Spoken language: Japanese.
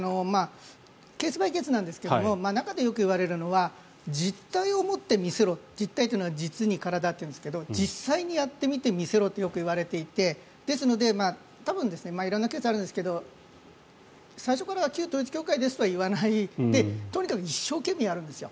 ケース・バイ・ケースなんですが中でよく言われるのは実体を持って見せろと実体というのは実に体というんですが実際にやってみて見せろとよく言われていてですので、多分色んなケースがあるんですけど最初から旧統一教会ですとは言わないでとにかく一生懸命やるんです。